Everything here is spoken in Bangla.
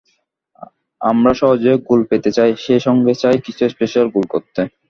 আমরা সহজে গোল পেতে চাই, সেই সঙ্গে চাই কিছু স্পেশাল গোল করতে।